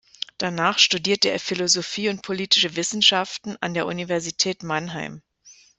Danach studierte er Philosophie und politische Wissenschaften an der Universität Mannheim.